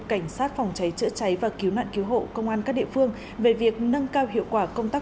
cảnh sát phòng cháy chữa cháy và cứu nạn cứu hộ công an các địa phương về việc nâng cao hiệu quả công tác